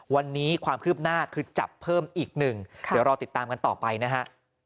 วันนี้ความคืบหน้าคือจับเพิ่มอีกหนึ่งเดี๋ยวรอติดตามกันต่อไปนะฮะ